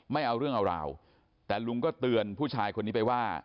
ไม่เอาเรื่องเอาราวแต่ลุงก็เตือนผู้ชายคนนี้ไปว่า